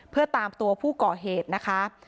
เพื่อตามตัวผู้ก่อเหตุนะคะ